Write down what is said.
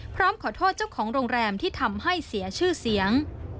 พร้อมขอโทษเจ้าของโรงแรมที่ทำให้เสียชื่อเสียง